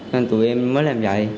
nên tụi em mới làm vậy